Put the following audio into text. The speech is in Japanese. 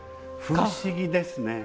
不思議ですね。